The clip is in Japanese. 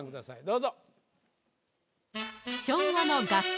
どうぞ。